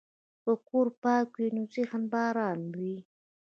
که کور پاک وي، نو ذهن به ارام وي.